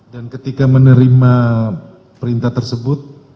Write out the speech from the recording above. dan ketika menerima perintah tersebut